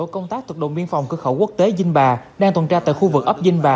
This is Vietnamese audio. công tác thuộc đồn biên phòng cửa khẩu quốc tế vinh bà đang tuần tra tại khu vực ấp vinh bà